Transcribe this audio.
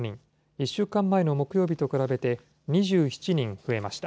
１週間前の木曜日と比べて、２７人増えました。